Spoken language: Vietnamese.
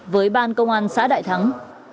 với ban công an xã đại thắng